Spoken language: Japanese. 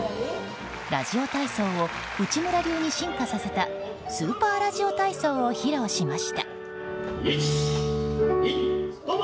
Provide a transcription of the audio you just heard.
ラジオ体操を内村流に進化させたスーパーラジオ体操を披露しました。